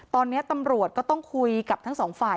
ตอนนี้ตำรวจก็ต้องคุยกับทั้งสองฝ่าย